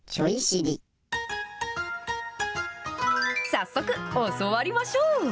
早速、教わりましょう。